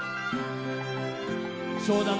湘南乃